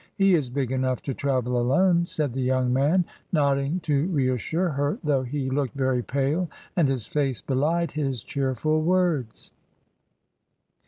He is big enough to travel alone," said the young man, nodding to reassure her, though he looked very pale, and his face belied his cheerful words.